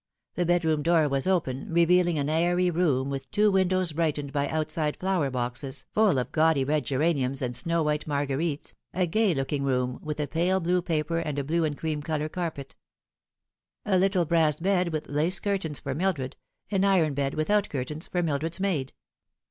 The bedroom door was open, revealing, an airy room with two windows brightened by outside flower boxes, full of gaudy red geraniums and snow white marguerites, a gay looking room, with a pale blue paper and a blue and cream colour 16 The Fatal Three. carpet. A little brass bed, with lace curtains, for Mildred an iron bed, without curtains, for Mildred's maid.